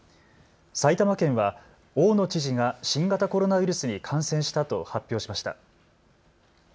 埼玉県は大野知事が新型コロナウイルスに感染したと発表しました。